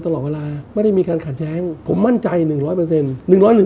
ถามด้วยความรักความรับไม่ใช่ความไม่แน่นอนใช่ไหมครับ